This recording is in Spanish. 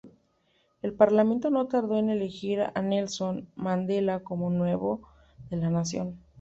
El Parlamento no tardó en elegir a Nelson Mandela como nuevo de la nación.